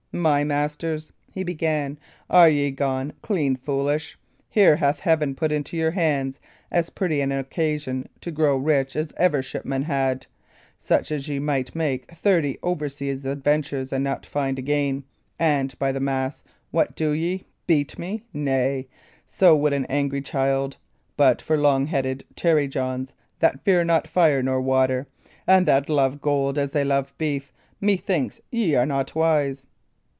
"My masters," he began, "are ye gone clean foolish? Here hath Heaven put into your hands as pretty an occasion to grow rich as ever shipman had such as ye might make thirty over sea adventures and not find again and, by the mass I what do ye? Beat me? nay; so would an angry child! But for long headed tarry Johns, that fear not fire nor water, and that love gold as they love beef, methinks ye are not wise."